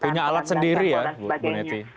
punya alat sendiri ya bu neti